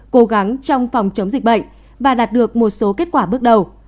cố gắng trong phòng chống dịch bệnh và đạt được một số kết quả bước đầu